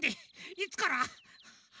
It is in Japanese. いつから？